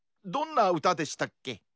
どんな歌でしたっけ？